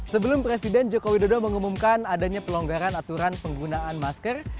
sebelum presiden joko widodo mengumumkan adanya pelonggaran aturan penggunaan masker